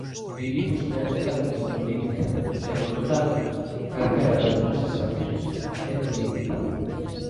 Vivimos na época da biopolítica e, polo tanto, calquera das nosas accións é política.